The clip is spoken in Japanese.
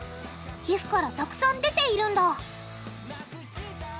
皮膚からたくさん出ているんだ